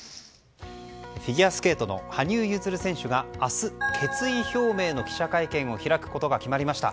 フィギュアスケートの羽生結弦選手が明日決意表明の記者会見を開くことが決まりました。